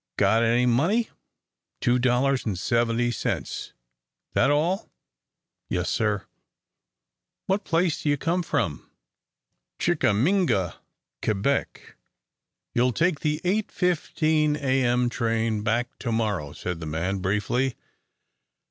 "Got any money?" "Two dollars and seventy cents." "That all?" "Yes, sir." "What place do you come from?" "Chickaminga, Quebec." "You'll take the 8.15 A. M. train back to morrow," said the man, briefly.